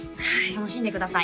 楽しんでください